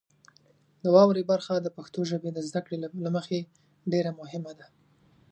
د واورئ برخه د پښتو ژبې د زده کړې له مخې ډیره مهمه ده.